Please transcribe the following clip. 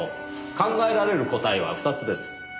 考えられる答えは２つです。